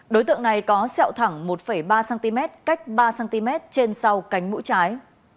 đối tượng này có sẹo thẳng một ba cm cách ba cm trên sau cánh mũi trái